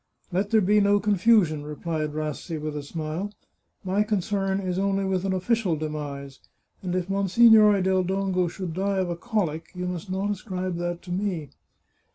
" Let there be no confusion," replied Rassi with a smile. " My concern is only with an official demise, and if Mon signore del Dongo should die of a colic you must not ascribe that to me.